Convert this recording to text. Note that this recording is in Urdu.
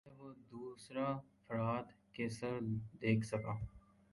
کہہ وہ دوسر افراد کے ثر دیکھ سکہ